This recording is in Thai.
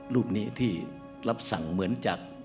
รูปนี้ที่รับสั่งเหมือนจาก